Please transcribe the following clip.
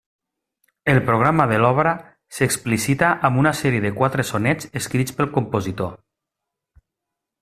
El programa de l'obra s'explicita amb una sèrie de quatre sonets escrits pel compositor.